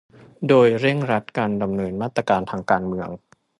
โดยเร่งรัดการดำเนินมาตรการทางการเมือง